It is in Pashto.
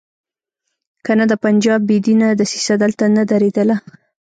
کنه د پنجاب بې دینه دسیسه دلته نه درېدله.